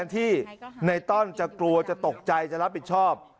ที่ในต้อนจะกลัวจะตกใจจะรับผิดชอบ